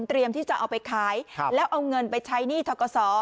เตรียมที่จะเอาไปขายครับแล้วเอาเงินไปใช้หนี้ทะกะสอ